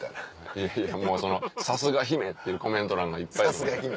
いやいやもうその「さすが姫！」っていうコメント欄がいっぱい。